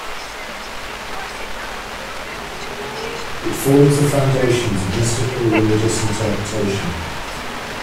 It forms the foundations of mystical religious interpretation.